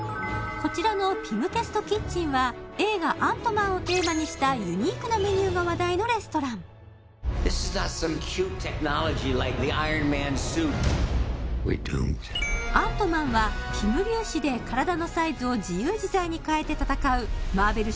こちらのＰｙｍＴｅｓｔＫｉｔｃｈｅｎは映画「アントマン」をテーマにしたユニークなメニューが話題のレストランアントマンはピム粒子で体のサイズを自由自在に変えて戦うマーベル